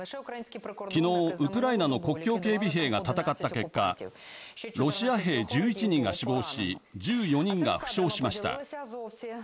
昨日、ウクライナの国境警備兵が戦った結果ロシア兵１１人が死亡し１４人が負傷しました。